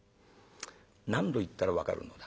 「何度言ったら分かるのだ？